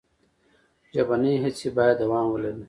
ژبنۍ هڅې باید دوام ولري.